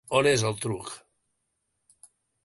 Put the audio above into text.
On és el truc?